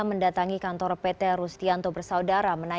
mendatangi kantor pt rustianto bersaudara